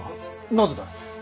なぜだい？